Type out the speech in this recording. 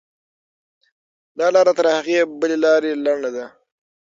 دا لاره تر هغې بلې لارې لنډه ده.